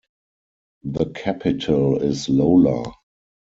The capital is Lola.